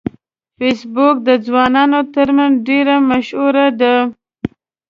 فېسبوک د ځوانانو ترمنځ ډیره مشهوره ده